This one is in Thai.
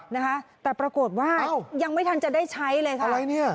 นะคะแต่ปรากฏว่ายังไม่ทันจะได้ใช้เลยค่ะ